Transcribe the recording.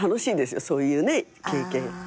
そういう経験。